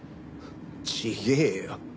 違えよ。